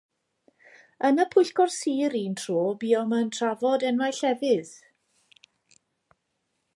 Yn y Pwyllgor Sir un tro buom yn trafod enwau llefydd.